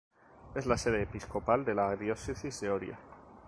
Es la sede episcopal de la Diócesis de Oria.